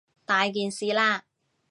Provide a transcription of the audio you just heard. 大件事喇！